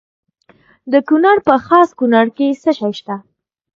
د کونړ په خاص کونړ کې څه شی شته؟